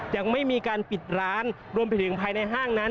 ยังไม่มีการปิดร้านรวมไปถึงภายในห้างนั้น